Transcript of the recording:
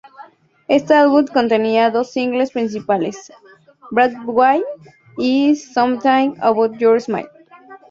Este álbum contenía dos singles principales, "Breakaway" y "Something About Your Smile".